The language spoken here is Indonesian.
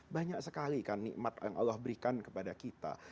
banyak sekali kan nikmat yang allah berikan kepada kita